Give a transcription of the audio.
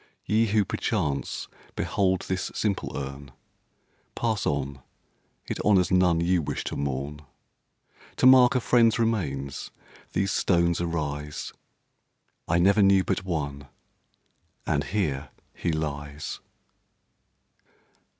Ye! who perchance behold this simple urn, Pass on it honors none you wish to mourn; To mark a friend's remains these stones arise I never knew but one, and here he lies.